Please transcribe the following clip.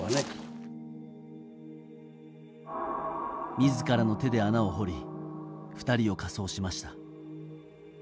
自らの手で穴を掘り２人を火葬しました。